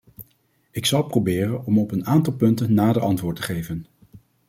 Ik zal proberen om op een aantal punten nader antwoord te geven.